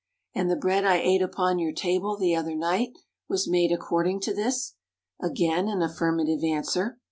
"And the bread I ate upon your table, the other night, was made according to this?" Again an affirmative answer.